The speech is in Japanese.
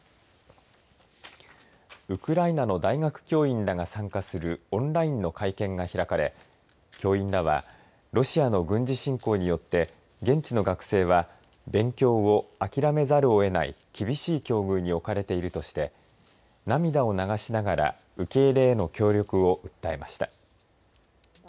ウクライナの大学教員らが参加するオンラインの会見が開かれ教員らはロシアの軍事侵攻によって現地の学生は勉強を諦めざるをえない厳しい境遇に置かれているとして涙を流しながら受け入れへの協力を訴えました。